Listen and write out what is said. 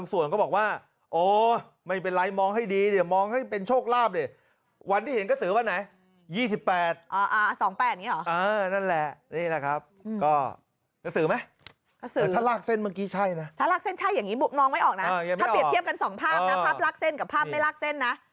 ถ้าลากเส้นใช่อย่างนี้มองไม่ออกนะถ้าเปรียบเทียบกัน๒ภาพนะภาพลากเส้นกับภาพไม่ลากเส้นนะ